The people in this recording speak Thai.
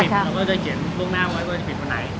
เราก็จะเขียนล่วงหน้าไว้ว่าจะปิดวันไหน